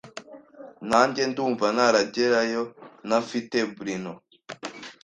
Nanjye ndumva ntaragerayo ntafite Bruno”